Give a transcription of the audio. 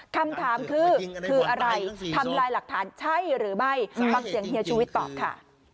คำถามคือคืออะไรทำลายหลักฐานใช่หรือไม่ฟังเสียงเฮียชูวิทย์ตอบค่ะ